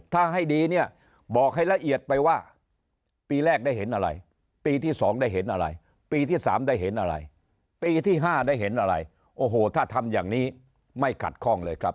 ถ้าให้ดีเนี่ยบอกให้ละเอียดไปว่าปีแรกได้เห็นอะไรปีที่๒ได้เห็นอะไรปีที่๓ได้เห็นอะไรปีที่๕ได้เห็นอะไรโอ้โหถ้าทำอย่างนี้ไม่ขัดข้องเลยครับ